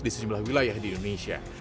di sejumlah wilayah di indonesia